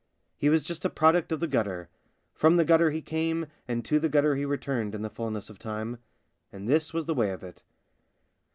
He was just a product of the gutter ; from the gutter he came and to the gutter he returned in the fullness of time. And this was the way of it.